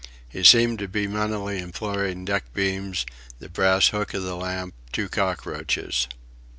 He seemed to be mentally imploring deck beams, the brass hook of the lamp, two cockroaches.